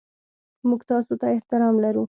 موږ تاسو ته احترام لرو.